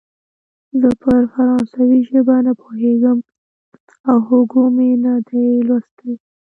زه پر فرانسوي ژبه نه پوهېږم او هوګو مې نه دی لوستی.